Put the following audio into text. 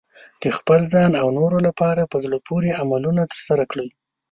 د خپل ځان او نورو لپاره په زړه پورې عملونه ترسره کړئ.